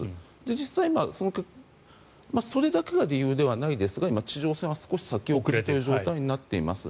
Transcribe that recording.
実際にそれだけが理由ではないですが今、地上戦は先送りという状態になっています。